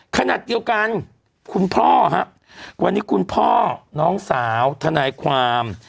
ขณะเดียวกันคุณพ่อครับวันนี้คุณพ่อน้องสาวทนายความ